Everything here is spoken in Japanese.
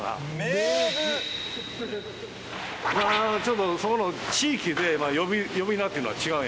ちょっとそこの地域で呼び名っていうのは違うんやけど。